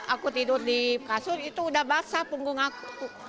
aku tidur di kasur itu udah basah punggung aku